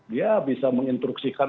dia bisa menginstruksikan